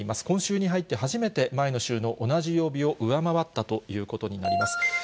今週に入って初めて、前の週の同じ曜日を上回ったということになります。